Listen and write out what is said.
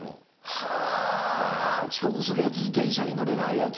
はぁ遅刻するヤツ電車に乗れないヤツ。